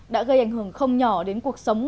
đã gây ảnh hưởng không nhỏ đến cuộc sống